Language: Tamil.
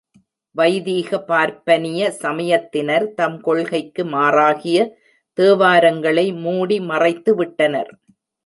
வைதீக பார்ப்பனிய சமயத்தினர் தம் கொள்கைக்கு மாறாகிய தேவாரங்களை மூடி மறைத்து விட்டனர்.